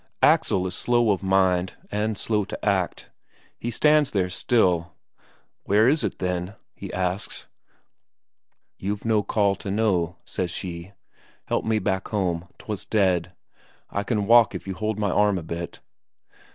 Axel is slow of mind, and slow to act. He stands there still. "Where is it, then?" he asks. "You've no call to know," says she. "Help me back home. Twas dead. I can walk if you hold my arm a bit."